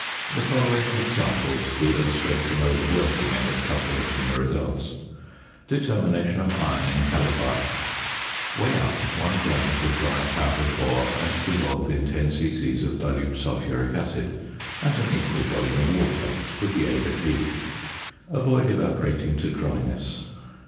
The following examples will illustrate the mode of working and of calculating the results: ~Determination of Iron in Chalybite.~ Weigh up 1 gram of the dry powdered ore, and dissolve in 10 c.c. of dilute sulphuric acid and an equal volume of water with the aid of heat. Avoid evaporating to dryness.